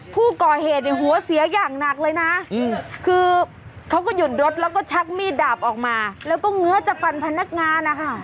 ผู้ก่อเหตุเนี่ยหัวเสียอย่างหนักเลยนะคือเขาก็หยุดรถแล้วก็ชักมีดดาบออกมาแล้วก็เงื้อจะฟันพนักงานนะคะ